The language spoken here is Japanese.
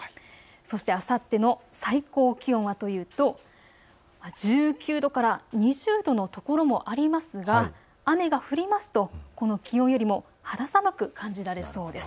そして、あさっての最高気温はというと１９度から２０度の所もありますが雨が降りますとこの気温よりも肌寒く感じられそうです。